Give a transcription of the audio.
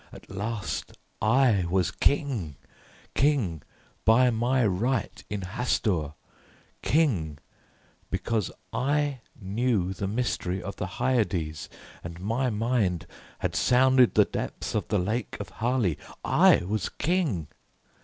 At last I was King, King by my right in Hastur, King because I knew the mystery of the Hyades, and my mind had sounded the depths of the Lake of Hali. I was King!